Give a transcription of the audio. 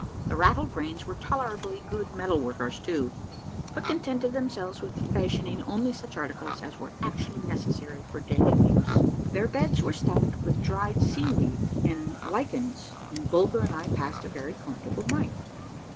The Rattlebrains were tolerably good metal workers too, but contented themselves with fashioning only such articles as were actually necessary for daily use. Their beds were stuffed with dried seaweed and lichens, and Bulger and I passed a very comfortable night.